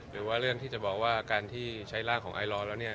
หรือว่าเรื่องที่จะบอกว่าการที่ใช้ร่างของไอลอแล้วเนี่ย